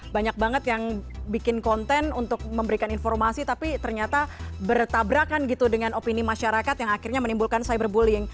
banyak banget yang bikin konten untuk memberikan informasi tapi ternyata bertabrakan gitu dengan opini masyarakat yang akhirnya menimbulkan cyberbullying